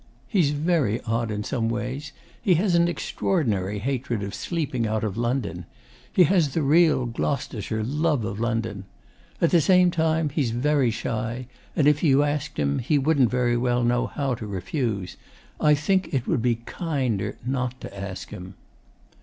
He's very odd in some ways. He has an extraordinary hatred of sleeping out of London. He has the real Gloucestershire LOVE of London. At the same time, he's very shy; and if you asked him he wouldn't very well know how to refuse. I think it would be KINDER not to ask him."